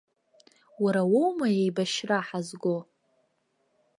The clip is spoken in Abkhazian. Уара уоума еибашьра ҳазго?